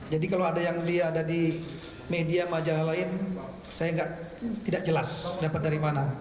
jadi kalau ada yang ada di media majalah lain saya tidak jelas dapat dari mana